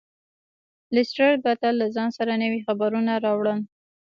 لیسټرډ به تل له ځان سره نوي خبرونه راوړل.